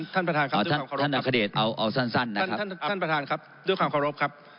ท่านประธานครับด้วยความขอรบครับ